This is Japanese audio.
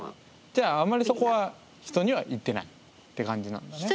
じゃああんまりそこは人には言ってないって感じなんだね。